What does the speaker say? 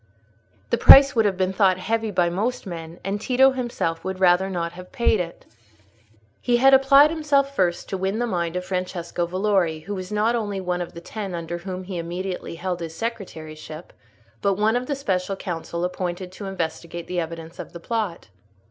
The price would have been thought heavy by most men; and Tito himself would rather not have paid it. He had applied himself first to win the mind of Francesco Valori, who was not only one of the Ten under whom he immediately held his secretaryship, but one of the special council appointed to investigate the evidence of the plot.